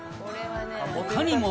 ほかにも。